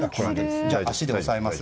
足で押さえます。